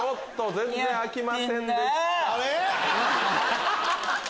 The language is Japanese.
全然開きませんでした。